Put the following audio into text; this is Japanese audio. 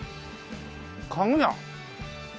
家具屋？